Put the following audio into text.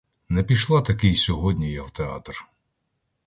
Не пішла таки й сьогодні я в театр.